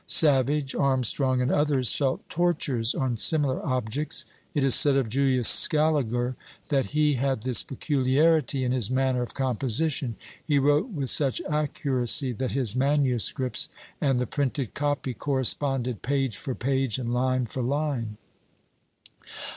Savage, Armstrong, and others, felt tortures on similar objects. It is said of Julius Scaliger, that he had this peculiarity in his manner of composition: he wrote with such accuracy that his MSS. and the printed copy corresponded page for page, and line for line.